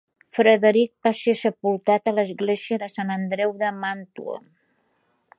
Frederic va ser sepultat a l'església de sant Andreu de Màntua.